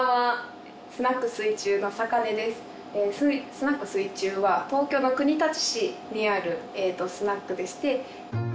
スナック水中は東京の国立市にあるスナックでして。